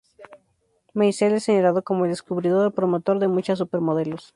Meisel es señalado como el descubridor o promotor de muchas supermodelos.